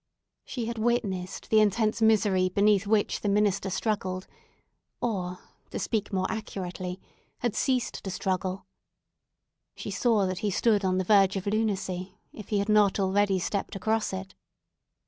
She had witnessed the intense misery beneath which the minister struggled, or, to speak more accurately, had ceased to struggle. She saw that he stood on the verge of lunacy, if he had not already stepped across it.